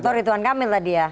atau ridwan kamil tadi ya